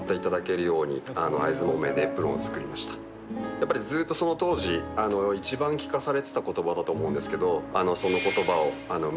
やっぱりずっとその当時一番聞かされていた言葉だと思うんですけど。